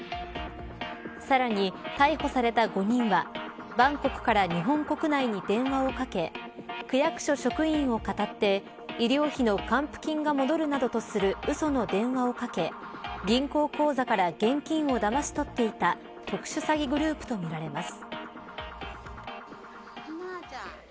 さらに逮捕された５人はバンコクから日本国内に電話をかけ区役所職員をかたって医療費の還付金が戻るなどとするうその電話をかけ銀行口座から現金をだまし取っていた特殊詐欺グループとみられます。